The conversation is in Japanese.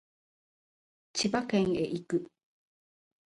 千葉県へ行く